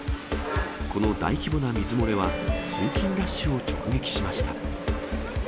この大規模な水漏れは、通勤ラッシュを直撃しました。